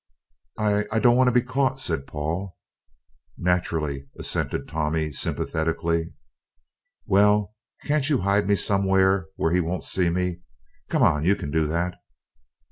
"I I don't want to be caught," said Paul. "Naterally," assented Tommy sympathetically. "Well, can't you hide me somewhere where he won't see me? Come, you can do that?"